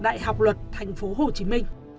đại học luật tp hcm